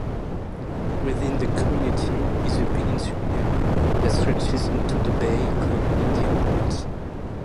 Within the community is a peninsula that stretches into the bay called Indian Point.